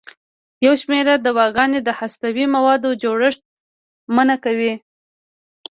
یو شمېر دواګانې د هستوي موادو جوړښت منع کوي.